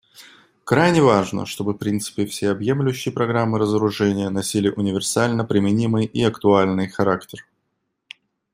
Крайне важно, чтобы принципы всеобъемлющей программы разоружения носили универсально применимый и актуальный характер.